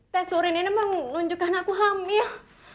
tes urin ini menunjukkan aku hamil